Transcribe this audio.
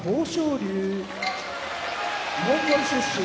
龍モンゴル出身